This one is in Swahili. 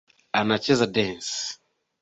Anacheza densi